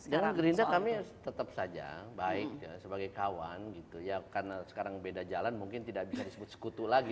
dengan gerindra kami tetap saja baik sebagai kawan gitu ya karena sekarang beda jalan mungkin tidak bisa disebut sekutu lagi